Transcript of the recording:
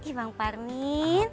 ih bang parmin